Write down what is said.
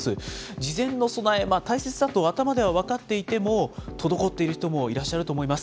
事前の備え、大切だと頭では分かっていても、滞っている人もいらっしゃると思います。